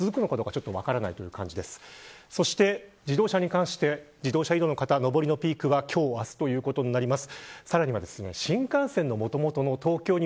そして自動車移動の方上りのピークは今日、明日ということになります。